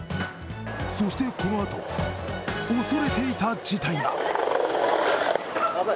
そしてこの後、恐れていた事態が。